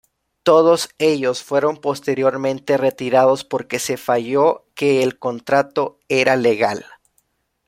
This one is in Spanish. Todos ellos fueron posteriormente retirados porque se falló que el contrato era legal.